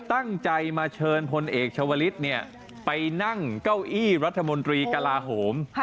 ตั้งใจมาเชิญพลเอกชาวลิศไปนั่งเก้าอี้รัฐมนตรีกลาโหม